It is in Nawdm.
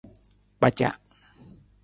Kpaca.